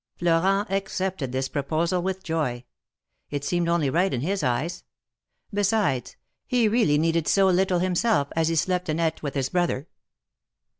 Florent accepted this proposal with joy. It seemed only right in his eyes. Besides, he really needed so little himself, as he slept and eat with his brother.